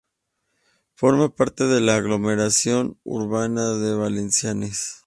Forma parte de la aglomeración urbana de Valenciennes.